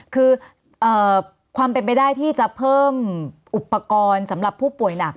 คือความเป็นไปได้ที่จะเพิ่มอุปกรณ์สำหรับผู้ป่วยหนัก